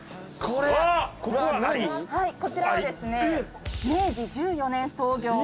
こちらはですね明治１４年創業。